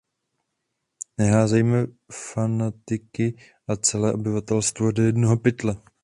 Neházejme fanatiky a celé obyvatelstvo do jednoho pytle.